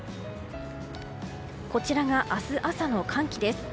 こちらが明日朝の寒気です。